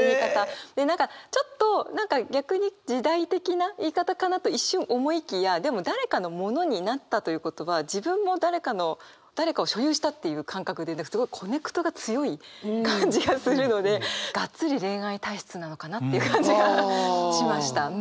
で何かちょっと逆に時代的な言い方かなと一瞬思いきやでも誰かのものになったということは自分も誰かの誰かを所有したという感覚ですごいコネクトが強い感じがするのでガッツリ恋愛体質なのかなっていう感じがしました。